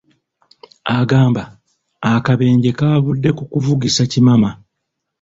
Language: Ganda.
Agamba akabenje kavudde ku kuvugisa kimama.